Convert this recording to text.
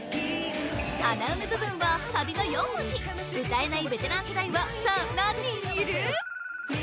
穴埋め部分はサビの４文字歌えないベテラン世代はさあ何人いる？